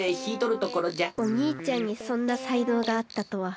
おにいちゃんにそんなさいのうがあったとは。